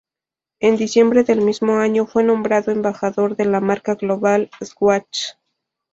En diciembre del mismo año fue nombrado Embajador de la marca global Swatch.